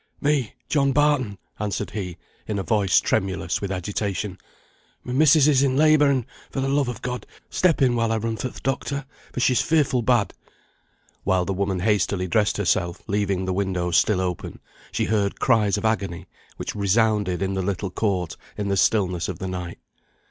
"Me, John Barton," answered he, in a voice tremulous with agitation. "My missis is in labour, and, for the love of God, step in while I run for th' doctor, for she's fearful bad." While the woman hastily dressed herself, leaving the window still open, she heard cries of agony, which resounded in the little court in the stillness of the night.